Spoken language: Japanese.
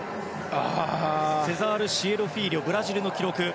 セザール・シエロフィーリョブラジルの記録。